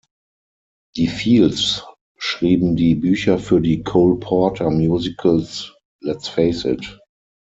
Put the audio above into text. Die Fields schrieben die Bücher für die Cole Porter-Musicals "Let’s Face It!